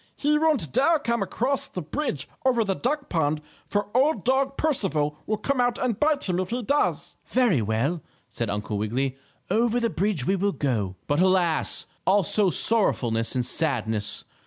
He won't dare come across the bridge over the duck pond, for Old Dog Percival will come out and bite him if he does." "Very well," said Uncle Wiggily, "over the bridge we will go." But alas! Also sorrowfulness and sadness!